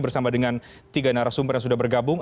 bersama dengan tiga narasumber yang sudah bergabung